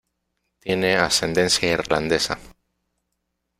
Tiene ascendencia irlandesa.